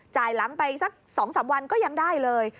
หลังไปสัก๒๓วันก็ยังได้เลย